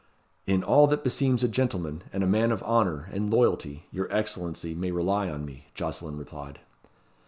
"In all that beseems a gentleman and a man of honour and loyalty your Excellency may rely on me," Jocelyn replied.